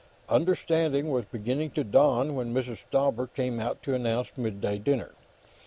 Understanding was beginning to dawn when Mrs. Stauber came out to announce midday dinner.